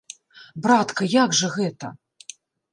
Братка, як жа гэта?!